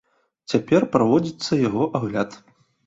Цяпер праводзіцца яго агляд.